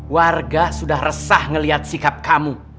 warga sudah resah melihat sikap kamu